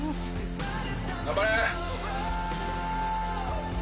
頑張れ。